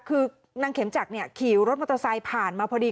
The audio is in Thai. คือนางเข็มจักรขี่รถมอเตอร์ไซค์ผ่านมาพอดี